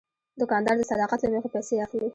دوکاندار د صداقت له مخې پیسې اخلي.